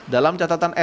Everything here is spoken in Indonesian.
dalam catatan air